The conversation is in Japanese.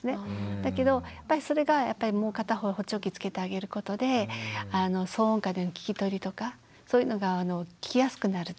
だけどやっぱりそれがもう片方補聴器つけてあげることで騒音下での聞き取りとかそういうのが聞きやすくなると。